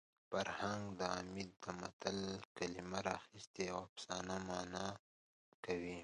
فرهنګ عمید د متل کلمه راخیستې او افسانه مانا کوي